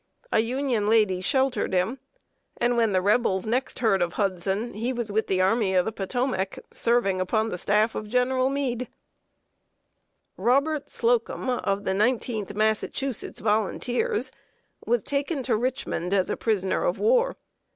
A Union lady sheltered him, and when the Rebels next heard of Hudson he was with the Army of the Potomac, serving upon the staff of General Meade. [Sidenote: ESCAPED PRISONER AT JEFF. DAVIS'S LEVEE.] Robert Slocum, of the Nineteenth Massachusetts Volunteers, was taken to Richmond as a prisoner of war.